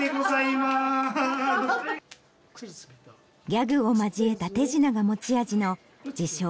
ギャグを交えた手品が持ち味の自称